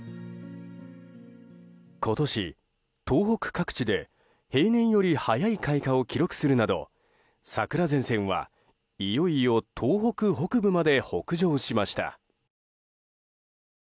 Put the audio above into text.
今年、東北各地で平年より早い開花を記録するなど桜前線は、いよいよ東北北部まで北上しました。